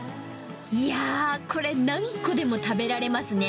いやー、これ、何個でも食べられますね。